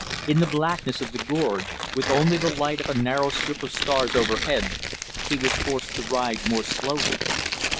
In the blackness of the gorge, with only the light of a narrow strip of stars overhead, he was forced to ride more slowly.